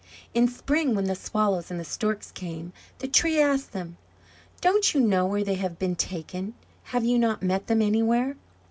In spring, when the Swallows and the Storks came, the Tree asked them, "Don't you know where they have been taken? Have you not met them anywhere?"